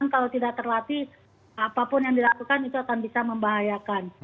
kalau tidak terlatih apapun yang dilakukan itu akan bisa membahayakan